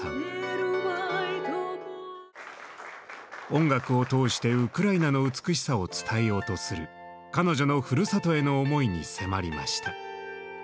音楽を通してウクライナの美しさを伝えようとする彼女のふるさとへの思いに迫りました。